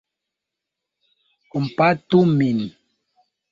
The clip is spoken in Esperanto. Kompatu min!